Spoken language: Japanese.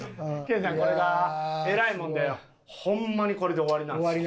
研さんこれがえらいもんでホンマにこれで終わりなんすよ。